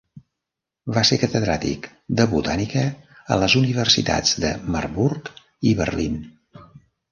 Va ser catedràtic de botànica a les universitats de Marburg i Berlín.